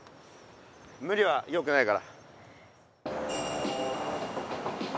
むりはよくないから。